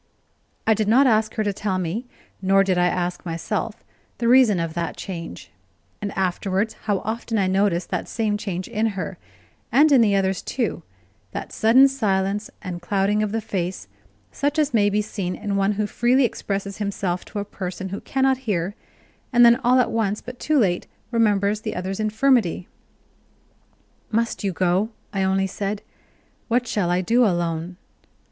I did not ask her to tell me, nor did I ask myself, the reason of that change; and afterwards how often I noticed that same change in her, and in the others too that sudden silence and clouding of the face, such as may be seen in one who freely expresses himself to a person who cannot hear, and then, all at once but too late, remembers the other's infirmity. "Must you go?" I only said. "What shall I do alone?".